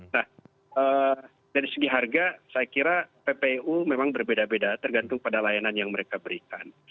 nah dari segi harga saya kira ppu memang berbeda beda tergantung pada layanan yang mereka berikan